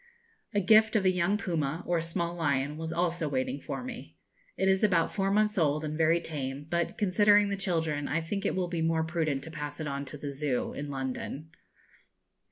A gift of a young puma, or small lion, was also waiting for me. It is about four months old, and very tame; but, considering the children, I think it will be more prudent to pass it on to the Zoo, in London.